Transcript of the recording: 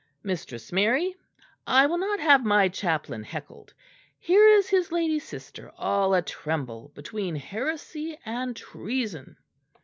Mistress Mary, I will not have my chaplain heckled; here is his lady sister all a tremble between heresy and treason."